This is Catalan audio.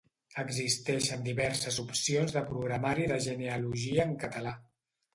Existeixen diverses opcions de programari de genealogia en català.